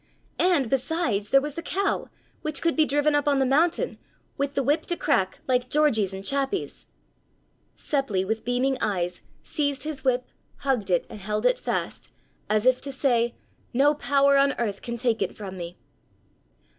And, besides, there was the cow, which could be driven up on the mountain, with the whip to crack, like Georgie's and Chappi's! Seppli, with beaming eyes, seized his whip, hugged it and held it fast, as if to say: "No power on earth can take it from me!"